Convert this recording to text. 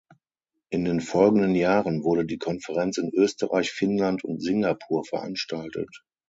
In den folgenden Jahren wurde die Konferenz in Österreich, Finnland und Singapur veranstaltet.